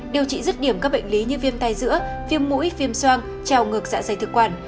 điều trị rứt điểm các bệnh lý như viêm tay giữa viêm mũi viêm soang trào ngược dạ dày thực quản